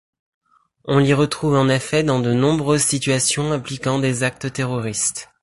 On l'y retrouve en effet dans de nombreuses situations impliquant des actes terroristes.